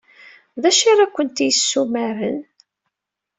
D acu ara ken-yessumaren?